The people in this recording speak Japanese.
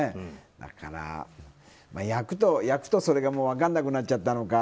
だから、役とそれば分からなくなっちゃったのか。